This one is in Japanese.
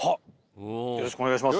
よろしくお願いします。